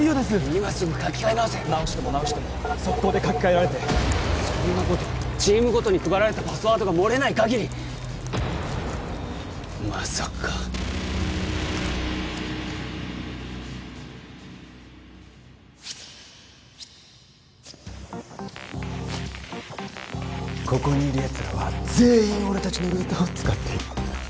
今すぐ書き換え直せ・直しても直してもソッコーで書き換えられてそんなことチームごとに配られたパスワードが漏れないかぎりまさかここにいるやつらは全員俺達のルーターを使っている